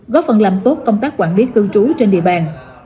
góp phần làm tốt công tác quản lý cư trú trên địa bàn